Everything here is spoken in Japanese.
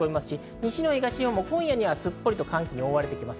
西日本、東日本も今夜にはすっぽり寒気に覆われます。